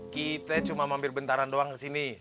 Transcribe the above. kita cuma mampir bentaran doang kesini